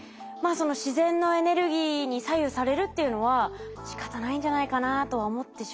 その自然のエネルギーに左右されるっていうのはしかたないんじゃないかなとは思ってしまいますけどね。